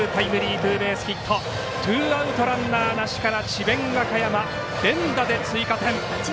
ツーアウトランナーなしから智弁和歌山、連打で追加点。